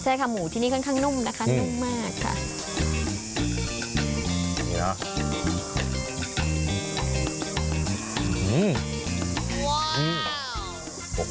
ใช่ค่ะหมูที่นี่ค่อนข้างนุ่มนะคะนุ่มมากค่ะ